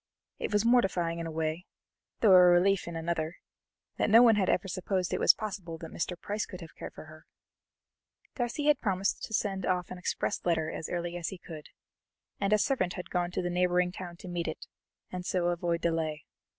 It was mortifying in a way, though a relief in another, that no one ever supposed it was possible that Mr. Price could have cared for her! Darcy had promised to send off an express letter as early as he could, and a servant had gone to the neighbouring town to meet it, and so avoid delay.